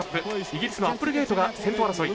イギリスのアップルゲイトが先頭争い。